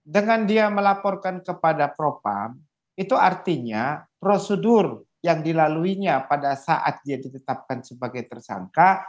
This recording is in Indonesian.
dengan dia melaporkan kepada propam itu artinya prosedur yang dilaluinya pada saat dia ditetapkan sebagai tersangka